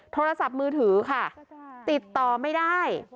โทรศัพท์มือถือค่ะติดต่อไม่ได้